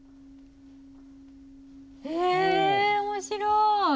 え面白い。